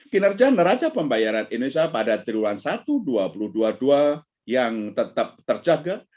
kinerja neraca pembayaran indonesia pada triwulan satu dua ribu dua puluh dua yang tetap terjaga